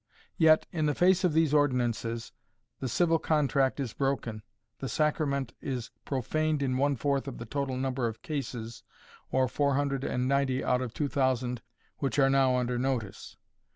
Yet, in the face of these ordinances, the civil contract is broken, the sacrament is profaned in one fourth of the total number of cases, or four hundred and ninety out of two thousand which are now under notice.